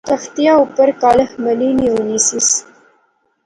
تختیا اُپر کالخ ملی نی ہونی سی